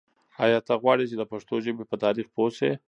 آیا ته غواړې چې د پښتو ژبې په تاریخ پوه شې؟